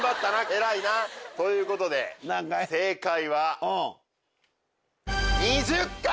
偉いな。ということで正解は。